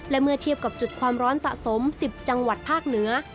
และเมื่อเทียบกับจุดความร้อนสะสม๑๐จังหวัดภาคเหนือ